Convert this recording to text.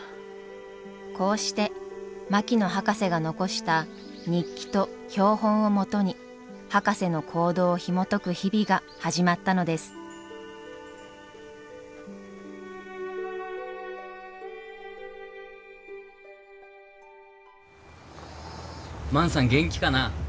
こうして槙野博士が残した日記と標本をもとに博士の行動をひもとく日々が始まったのです万さん元気かな？